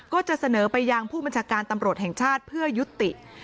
ก็จะเสนอไปยังผู้บัญชาการตำรวจแห่งชาติเพื่อยุติ